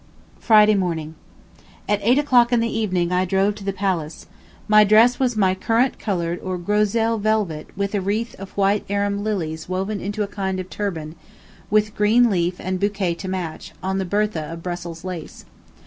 Friday Morning. At eight o'clock in the evening I drove to the Palace. My dress was my currant colored or grosseille velvet with a wreath of white Arum lilies woven into a kind of turban, with green leave and bouquet to match, on the bertha of Brussels lace.